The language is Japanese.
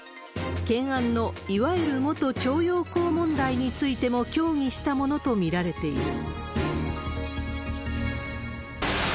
懸案のいわゆる元徴用工問題についても協議したものと見られている。